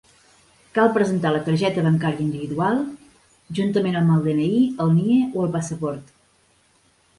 Cal presentar la targeta bancària individual, juntament amb el DNI, el NIE o el passaport.